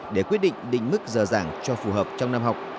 để quyết định định mức giờ giảng cho phù hợp trong năm học